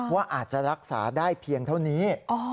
ว่าอาจจะรักษาได้เพียงเท่านี้